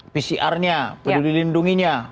pcr nya perlu dilindunginya